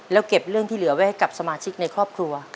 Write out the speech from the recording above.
แล้วเก็บเรื่องที่เหลือไว้ให้กับสมาชิกในครอบครัว